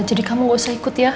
jadi kamu gak usah ikut ya